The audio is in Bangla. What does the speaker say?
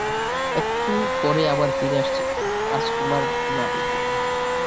একটু পরেই আবার ফিরে আসছি, রাজকুমার নাভিন।